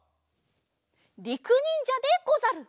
りくにんじゃでござる！